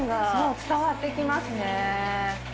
伝わってきますね。